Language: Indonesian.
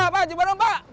pak ciberem pak